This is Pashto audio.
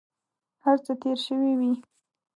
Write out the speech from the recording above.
هر څه تېر شوي وي.